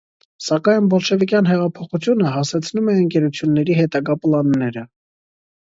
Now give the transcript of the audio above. Սակայն բոլշևիկյան հեղափոխությունը հասեցնում է ընկերությունների հետագա պլանները։